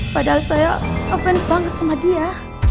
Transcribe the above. padahal aku pengen banget sama dia